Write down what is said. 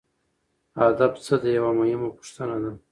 ادب څه دی یوه مهمه پوښتنه ده.